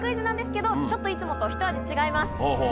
なんですけどちょっといつもとひと味違います。